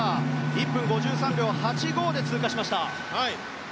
１分５３秒８５で通過しました。